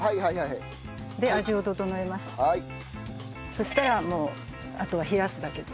そしたらもうあとは冷やすだけです。